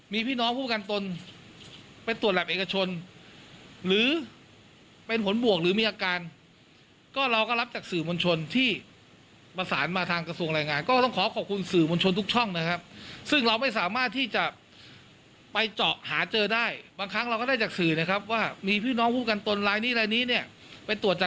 เมื่อการป่วยแต่ยังหาที่รักษาไม่ได้เราได้เคล็ดอย่างงี้อีกมา